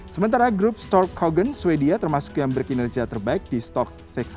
sementara grup stork cogan sweden termasuk yang berkinerja terbaik di stok enam ratus